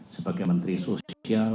sebagai menteri sosial